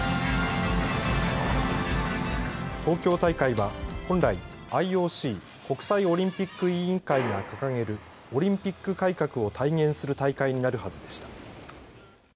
東京大会は本来、ＩＯＣ・国際オリンピック委員会が掲げる、オリンピック改革を体現する大会になるはずでした。